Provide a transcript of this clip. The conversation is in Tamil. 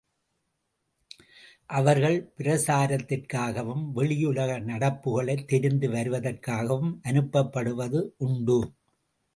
அவர்கள் பிரசாரத்திற்காகவும், வெளியுலக நடப்புகளைத் தெரிந்து வருவதற்காகவும் அனுப்பப்படுவதுண்டு.